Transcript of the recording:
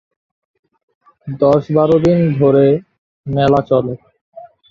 দশ বারো দিন ধরে মেলা চলে।